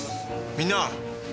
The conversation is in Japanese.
みんな。